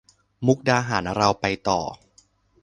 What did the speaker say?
มุกดาหารเราไปต่อ